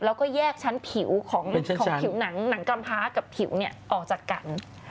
แล้วก็แยกชั้นผิวของผิวหนังกำพ้ากับผิวออกจากกัน